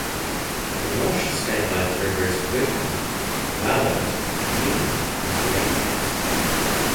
The Wash is fed by the rivers Witham, Welland, Nene and Great Ouse.